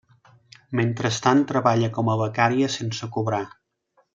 Mentrestant treballa com a becària sense cobrar.